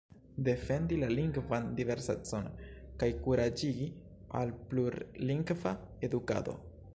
Defendi la lingvan diversecon kaj kuraĝigi al plur-lingva edukado.